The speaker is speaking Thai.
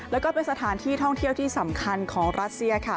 แล้วก็เป็นสถานที่ท่องเที่ยวที่สำคัญของรัสเซียค่ะ